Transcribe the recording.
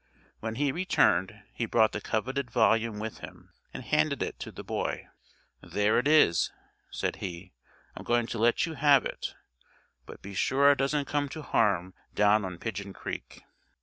When he returned he brought the coveted volume with him, and handed it to the boy. "There it is," said he: "I'm going to let you have it, but be sure it doesn't come to harm down on Pidgeon Creek."